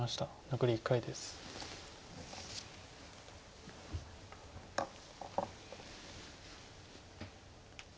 残り１回です。